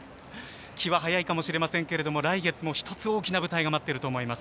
気は早いかもしれませんけど来月も一つ大きな舞台が待ってると思います。